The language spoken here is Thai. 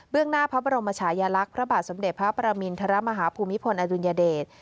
หน้าพระบรมชายลักษณ์พระบาทสมเด็จพระประมินทรมาฮภูมิพลอดุลยเดช